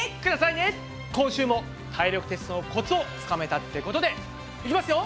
今週も体力テストのコツをつかめたってことでいきますよ！